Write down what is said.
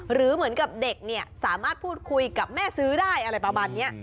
หรือเหมือนกับเด็กเนี่ยสามารถพูดคุยกับแม่ซื้อได้อะไรประมาณนี้